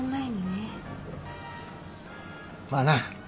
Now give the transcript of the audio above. まあな。